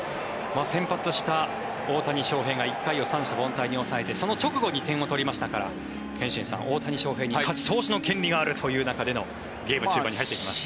先発した大谷翔平が１回を三者凡退に抑えてその直後に点を取りましたから憲伸さん、大谷翔平に勝ち投手の権利があるという中でのゲーム中盤に入ってきました。